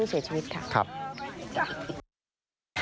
สายชาย